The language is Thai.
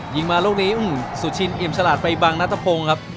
ยิงมาลูกนี้สุชินอิ่มฉลาดไปบังนัทพงศ์ครับ